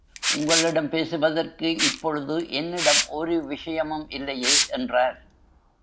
உங்களிடம் பேசுவதற்கு இப்பொழுது என்னிடம் ஒரு விஷயமும் இல்லையே என்றார்.